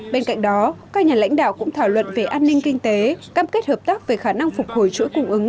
bên cạnh đó các nhà lãnh đạo cũng thảo luận về an ninh kinh tế cam kết hợp tác về khả năng phục hồi chuỗi cung ứng